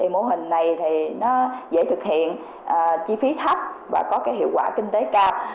mô hình này thì nó dễ thực hiện chi phí thấp và có hiệu quả kinh tế cao